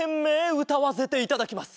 うたわせていただきます。